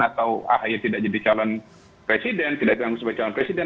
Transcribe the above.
atau ahy tidak jadi calon presiden tidak jadi sebagai calon presiden